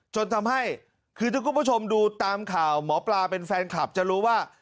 จนทำให้คือถ้าคุณผู้ชมดูตามข่าวหมอปลาเป็นแฟนคลับจะรู้ว่า